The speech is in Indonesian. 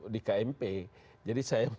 di kmp jadi saya